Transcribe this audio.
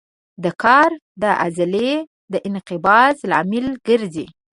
دا کار د عضلې د انقباض لامل ګرځي.